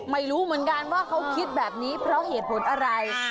ไม่รู้เหมือนกันว่าเขาคิดแบบนี้เพราะเหตุผลอะไร